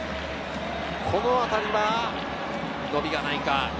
この当たりは伸びがないか。